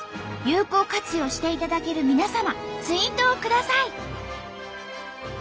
有効活用していただける皆様ツイートをください！」。